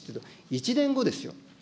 １年後ですよ。